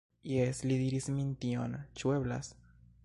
Jes, li diris min tion. Ĉu eblas?